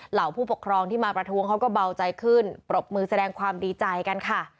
เหล่าผู้ปกครองที่มาประท้วงเขาก็เบาใจขึ้นปรบมือแสดงความดีใจกันค่ะ